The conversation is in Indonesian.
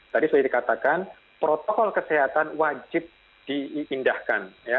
tadi sudah dikatakan protokol kesehatan wajib diindahkan